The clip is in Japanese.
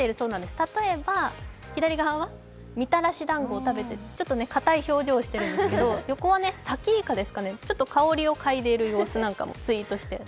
例えば左側はみたらしだんごを食べて、ちょっと硬い表情をしてるんですが、横はさきいかですかね、ちょっと香りをかいでいる様子なんかをツイートしていて。